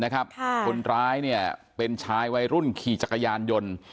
คนร้ายเป็นชายวัยรุ่นขี่จักรยานยนต์